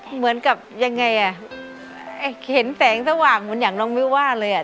เหมือนกับยังไงอ่ะเห็นแสงสว่างเหมือนอย่างน้องมิ้วว่าเลยอ่ะ